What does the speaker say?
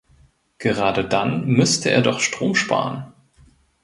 Gerade dann müsste er doch Strom sparen.